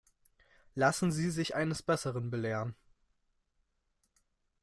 Lassen Sie sich eines Besseren belehren.